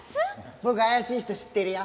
僕怪しい人知ってるよ。